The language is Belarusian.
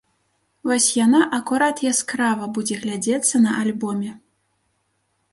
Вось яна акурат яскрава будзе глядзецца на альбоме.